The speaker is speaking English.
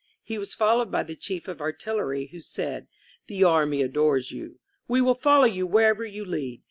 He was followed by the Chief of Artillery, who said: "The army adores you. We will follow you wherever you lead.